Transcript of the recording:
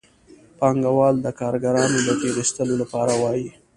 پانګوال د کارګرانو د تېر ایستلو لپاره وايي